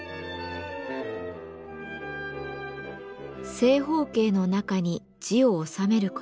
正方形の中に字を収める事。